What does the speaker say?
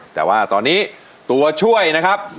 แต่ว่าตอนนี้ตัวช่วยนะครับ